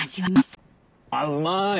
あぁうまい！